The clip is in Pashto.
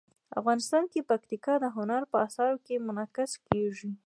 افغانستان کې پکتیکا د هنر په اثار کې منعکس کېږي.